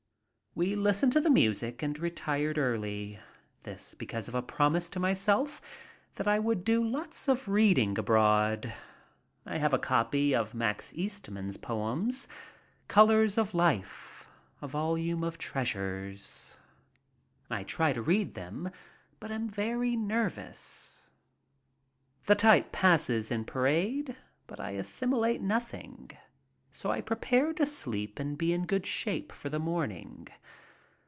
We listened to the music and retired early, this because of a promise to myself that I would do lots of reading aboard. I have a copy of Max Eastman's poems, colors, of life, a volume of treasures. I try to read them, but am too nervous. The type passes in parade, but I assimilate nothing, so I prepare to sleep and be in good shape for the morning.